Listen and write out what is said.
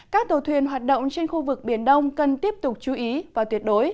các tàu thuyền hoạt động trên khu vực biển đông cần tiếp tục chú ý và tuyệt đối